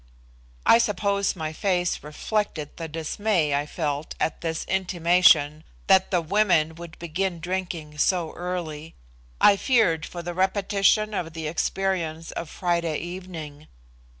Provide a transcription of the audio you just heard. I suppose my face reflected the dismay I felt at this intimation that the women would begin drinking so early. I feared for the repetition of the experience of Friday evening.